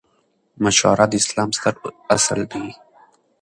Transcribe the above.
مشوره د اسلام ستر اصل دئ.